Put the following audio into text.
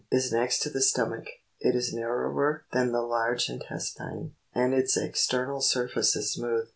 is next to the stomach ; it is narrower than the large intestine, and its ex ternal surface is smooth.